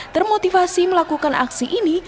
termotivasi melakukan aksi ini